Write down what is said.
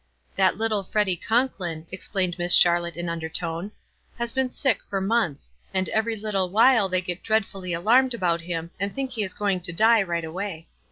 w That little Freddy Conklin," explained Miss 30 WISE ANL> OTHERWISE. Charlotte in undertone; "he has been sick for months, unci every little while they get dread fully alarmed about him, and think he is going to die right away."